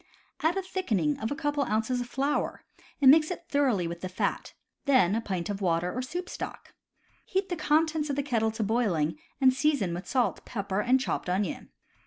Add a thickening of a couple of ounces of flour, and mix it thoroughly with the fat; then a pint of water or soup stock. Heat the contents of the kettle to boiling, and season with salt, pepper, and chopped onion.